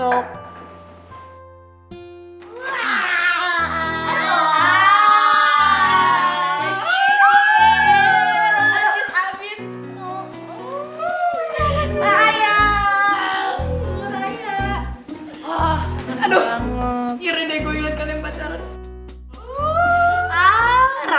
iren deh gue liat kalian pacaran